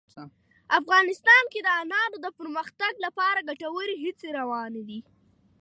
افغانستان کې د انارو د پرمختګ لپاره ګټورې هڅې روانې دي.